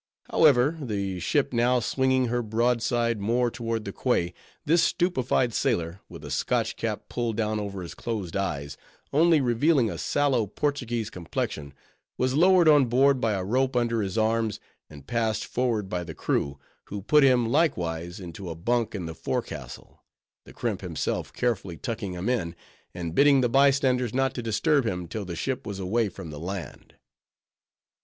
However, the ship now swinging her broadside more toward the quay, this stupefied sailor, with a Scotch cap pulled down over his closed eyes, only revealing a sallow Portuguese complexion, was lowered on board by a rope under his arms, and passed forward by the crew, who put him likewise into a bunk in the forecastle, the crimp himself carefully tucking him in, and bidding the bystanders not to disturb him till the ship was away from the land.